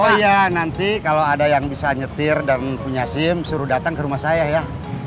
oh iya nanti kalau ada yang bisa nyetir dan punya sim suruh datang ke rumah saya ya